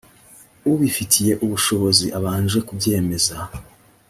ubifitiye ubushobozi abanje kubyemeza